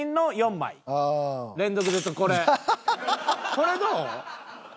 これどう？